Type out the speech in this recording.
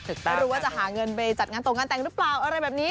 รู้เรือว่าจะหาเงินไปจัดงานใต้งเริ่มหรือเปล่าอะไรแบบนี้